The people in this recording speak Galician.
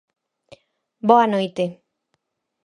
Boa noite